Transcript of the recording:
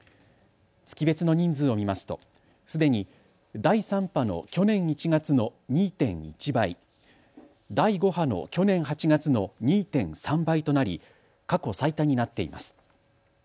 月別の人数を見ますとすでに第３波の去年１月の２．１倍第５波の去年８月の２．３倍となり過去最多になっています。